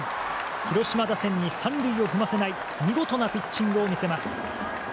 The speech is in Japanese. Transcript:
広島打線に３塁を踏ませない見事なピッチングを見せます。